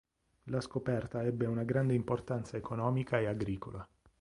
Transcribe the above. La scoperta ebbe una grande importanza economica e agricola.